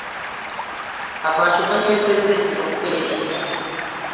Abantu banywezezza ebyo' kwelinda .